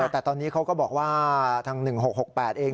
แต่ตอนนี้เขาก็บอกว่าทาง๑๖๖๘เอง๑๖๖๙๑๓๓๐